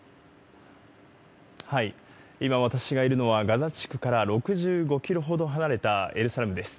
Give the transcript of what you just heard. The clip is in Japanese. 今、私がいるのはガザ地区から６５キロほど離れたエルサレムです。